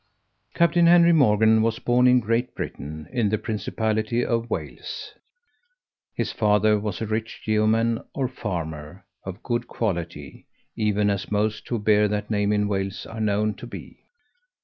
_ CAPTAIN HENRY MORGAN was born in Great Britain, in the principality of Wales; his father was a rich yeoman, or farmer, of good quality, even as most who bear that name in Wales are known to be.